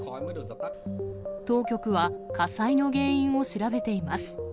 当局は、火災の原因を調べています。